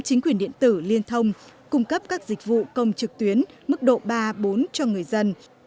chính quyền điện tử liên thông cung cấp các dịch vụ công trực tuyến mức độ ba bốn cho người dân